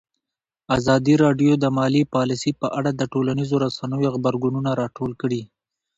ازادي راډیو د مالي پالیسي په اړه د ټولنیزو رسنیو غبرګونونه راټول کړي.